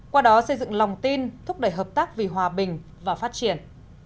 qua đó xây dựng lòng tin thúc đẩy hợp tác vì hòa bình và phát triển